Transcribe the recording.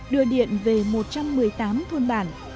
đưa điện về một trăm một mươi tám thôn bản